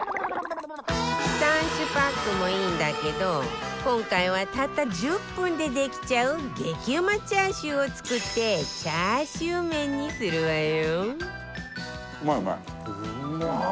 三種パックもいいんだけど今回はたった１０分でできちゃう激うまチャーシューを作ってチャーシュー麺にするわよ